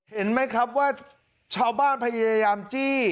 เห็นไหมครับว่าชาวบ้านพยายามจี้